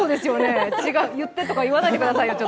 言ってとか言わないでくださいよ。